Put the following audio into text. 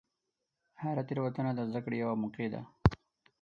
هره تېروتنه د زدهکړې یوه موقع ده.